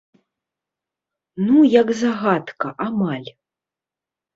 Ну як загадка, амаль.